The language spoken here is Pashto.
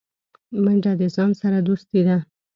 منډه د ځان سره دوستي ده